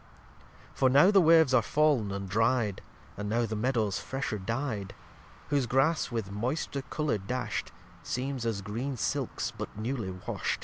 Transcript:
lxxix For now the Waves are fal'n and dry'd, And now the Meadows fresher dy'd; Whose Grass, with moister colour dasht, Seems as green Silks but newly washt.